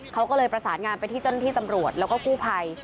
เขาก็เลยประสานงานไปที่เจ้าหน้าที่ตำรวจแล้วก็กู้ภัย